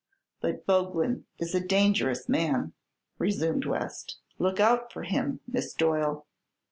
"But Boglin is a dangerous man," resumed West. "Look out for him. Miss Doyle."